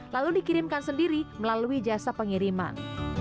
lalu dikirimkan sendiri melalui jasa pengiriman